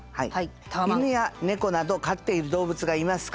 犬や猫など飼っている動物がいますか？